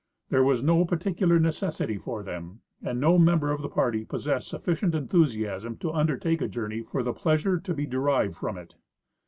There Avas no particular necessity for them, and no member of the party possessed sufficient enthusiasm to under take a journey for the pleasure to be derived from it.